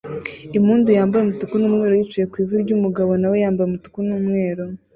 Impundu yambaye umutuku n'umweru yicaye ku ivi ry'umugabo nawe wambaye umutuku n'umweru